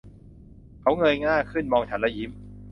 เขาเงยหน้าขึ้นมองฉันและยิ้ม